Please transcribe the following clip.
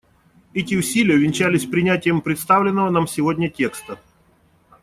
Эти усилия увенчались принятием представленного нам сегодня текста.